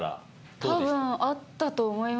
多分あったと思います。